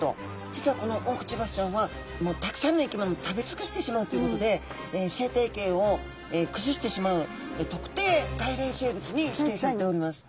実はこのオオクチバスちゃんはたくさんの生き物を食べつくしてしまうということで生態系をくずしてしまう特定外来生物に指定されております。